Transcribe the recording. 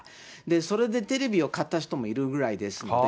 それでテレビを買った人もいるぐらいですので。